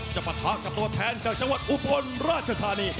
ปะทะกับตัวแทนจากจังหวัดอุบลราชธานี